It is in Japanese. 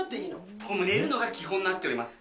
ここ、寝るのが基本になっております。